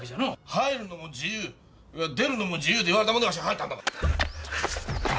入るのも自由出るのも自由って言われたもんだからわし入ったんだわ。